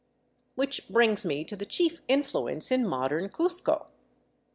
Which brings me to the chief influence in modern Cuzco.